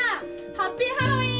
ハッピーハロウィーン！